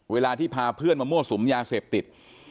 เวลาที่พาเพื่อนมามั่วสุมยาเสพติด